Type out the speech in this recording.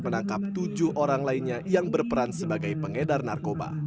menangkap tujuh orang lainnya yang berperan sebagai pengedar narkoba